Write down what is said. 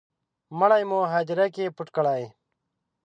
مړی مو هدیره کي پټ کړی